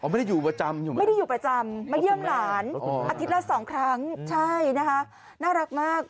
ไม่ได้อยู่ประจำอยู่ไหมไม่ได้อยู่ประจำมาเยี่ยมหลานอาทิตย์ละสองครั้งใช่นะคะน่ารักมาก